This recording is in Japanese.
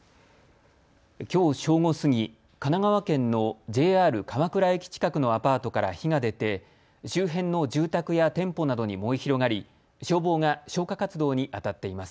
きょう正午過ぎ、神奈川県のＪＲ鎌倉駅近くのアパートから火が出て周辺の住宅や店舗などに燃え広がり消防が消火活動にあたっています。